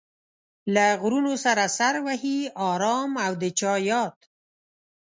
له غرونو سره سر وهي ارام او د چا ياد